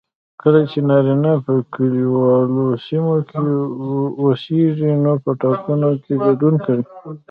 کله چې نارینه په کليوالو سیمو کې اوسیږي نو په ټاکنو کې ګډون کوي